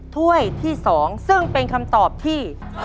ถ้วยที่๒ซึ่งเป็นคำตอบที่